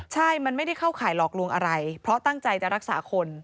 ใช่มันไม่ได้เข้าข่ายหลอกลวงอะไรเพราะตั้งใจจะรักษาคน